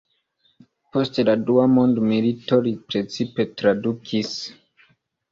Post la dua mondmilito li precipe tradukis.